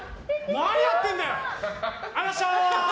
何やってんだよ。